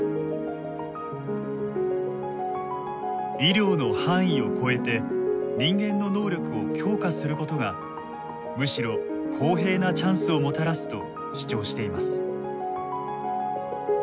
医療の範囲を超えて人間の能力を強化することがむしろ公平なチャンスをもたらすと主張しています。